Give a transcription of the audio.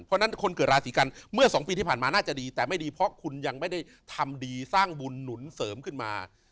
เพราะฉะนั้นคนเกิดราศีกันเมื่อ๒ปีที่ผ่านมาน่าจะดีแต่ไม่ดีเพราะคุณยังไม่ได้ทำดีสร้างบุญหนุนเสริมขึ้นมา